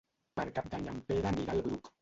Per Cap d'Any en Pere anirà al Bruc.